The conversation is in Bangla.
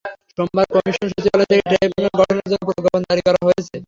সোমবার কমিশন সচিবালয় থেকে ট্রাইব্যুনাল গঠনের জন্য প্রজ্ঞাপন জারি করা হয়েছে।